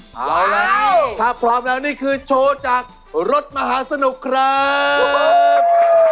เอาล่ะถ้าพร้อมแล้วนี่คือโชว์จากรถมหาสนุกครับ